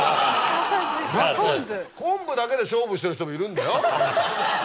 だって昆布だけで勝負してる人もいるんだよ。